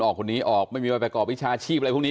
ออกคนนี้ออกไม่มีบาปเอาวิชาชีพอะไรพวกนี้